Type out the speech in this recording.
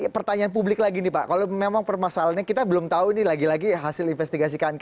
pertanyaan publik lagi nih pak kalau memang permasalahannya kita belum tahu ini lagi lagi hasil investigasi